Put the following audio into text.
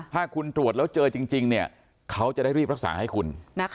ถ้าคุณตรวจแล้วเจอจริงเขาจะได้รีบรักษาให้คุณ